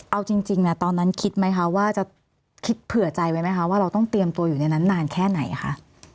เอาจริงตอนนั้นคิดไหมคะว่าจะคิดเผื่อใจไว้ไหมคะว่าเราต้องเตรียมตัวอยู่ในนั้นนานแค่ไหนคะ